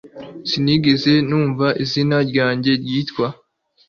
sinigeze numva izina ryanjye ryitwa